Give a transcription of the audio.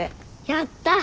やった！